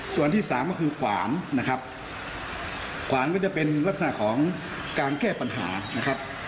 ส่วนที่สามก็คือขวานนะครับขวานก็จะเป็นลักษณะของการแก้ปัญหานะครับ